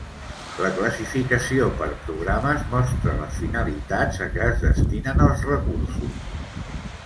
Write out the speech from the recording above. La classificació per programes mostra les finalitats a què es destinen els recursos.